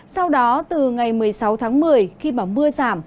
sau đó từ ngày một mươi sáu một mươi khi mưa giảm